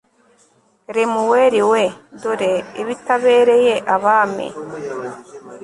lemuweli we, dore ibitabereye abami